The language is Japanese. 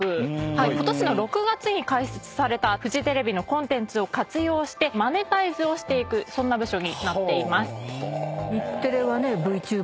ことしの６月に開設されたフジテレビのコンテンツを活用してマネタイズをしていくそんな部署になっています。